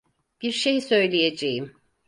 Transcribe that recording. Bir şey söyleyeceğim.